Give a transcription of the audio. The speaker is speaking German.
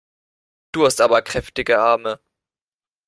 Du hast aber kräftige Arme!